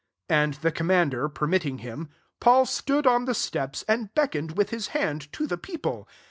40 And the commander permitting him, Paul stood on the steps, and beckoned with his hand to the people.